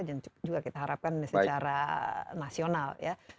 dan juga kita harapkan secara nasional